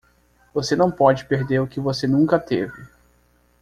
Você não pode perder o que você nunca teve.